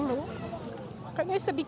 bapak sudah lama pergi masih kecil dulu